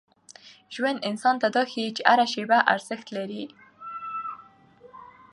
ژوند انسان ته دا ښيي چي هره شېبه ارزښت لري.